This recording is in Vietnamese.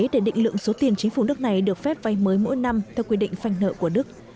để định lượng số tiền chính phủ nước này được phép vay mới mỗi năm theo quy định phanh nợ của đức